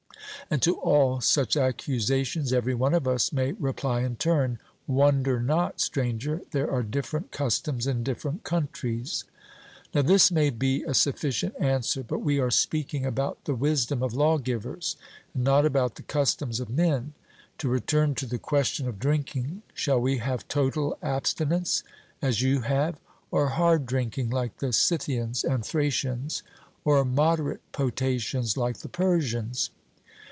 And to all such accusations every one of us may reply in turn: 'Wonder not, Stranger; there are different customs in different countries.' Now this may be a sufficient answer; but we are speaking about the wisdom of lawgivers and not about the customs of men. To return to the question of drinking: shall we have total abstinence, as you have, or hard drinking, like the Scythians and Thracians, or moderate potations like the Persians?